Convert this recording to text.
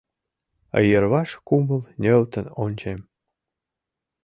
Йырваш кумыл нӧлтын ончем.